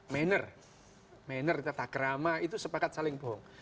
manner manner tata kerama itu sepakat saling bohong